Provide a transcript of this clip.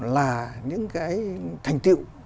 là những cái thành tựu